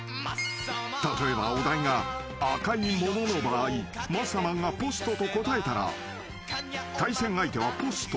［例えばお題が赤いものの場合マッサマンがポストと答えたら対戦相手はポスト。